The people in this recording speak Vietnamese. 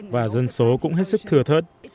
và dân số cũng hết sức thừa thớt